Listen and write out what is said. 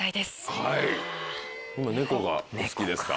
はい猫がお好きですか。